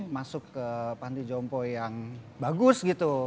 masuk ke panti jompo yang bagus gitu